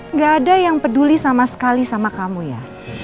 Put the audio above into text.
nggak ada yang peduli sama sekali sama kamu ya